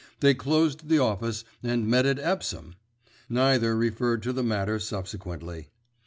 They closed the office and met at Epsom! Neither referred to the matter subsequently.